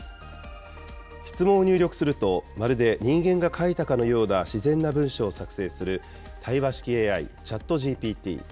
質問を入力すると、まるで人間が書いたかのような自然な文章を作成する対話式ＡＩ、ＣｈａｔＧＰＴ。